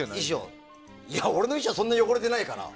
俺の衣装そんな汚れてないから。